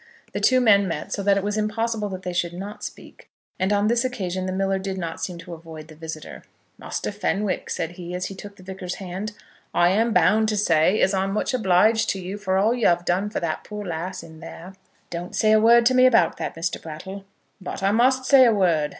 The two men met so that it was impossible that they should not speak; and on this occasion the miller did not seem to avoid his visitor. "Muster Fenwick," said he, as he took the Vicar's hand, "I am bound to say as I'm much obliged to ye for all y' have done for that poor lass in there." "Don't say a word about that, Mr. Brattle." "But I must say a word.